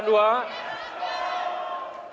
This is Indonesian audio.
pendukung paslon dua